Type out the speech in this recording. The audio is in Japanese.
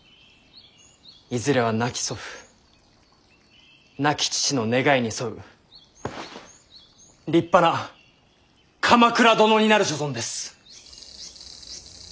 いずれは亡き祖父亡き父の願いに沿う立派な鎌倉殿になる所存です。